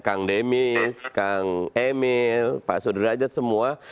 kang demis kang emil pak sudrajat semua